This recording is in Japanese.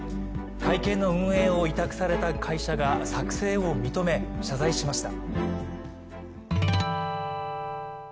会見の運営を委託された会社が作成を認め、謝罪しました。